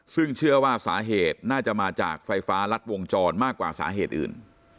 ซึ่งเชื่อว่าสาเหตุน่าจะมาจากไฟฟ้ารัดวงจรมากกว่าสาเหตุอื่น